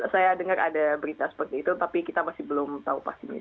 saya dengar ada berita seperti itu tapi kita masih belum tahu pastinya